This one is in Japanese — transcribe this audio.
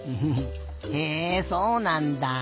へえそうなんだ。